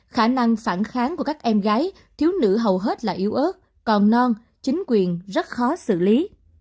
khả năng phản kháng của các em gái thiếu nữ hầu hết là yếu ớt còn non chính quyền rất khó xử lý